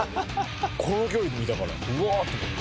この距離で見たからうわ！と思って。